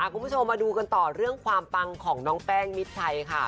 คุณผู้ชมมาดูกันต่อเรื่องความปังของน้องแป้งมิดชัยค่ะ